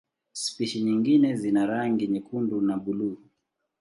Spishi nyingine zina rangi nyekundu na buluu.